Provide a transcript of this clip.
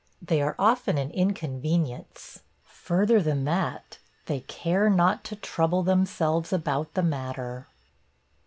They are often an inconvenience; further than that, they care not to trouble themselves about the matter.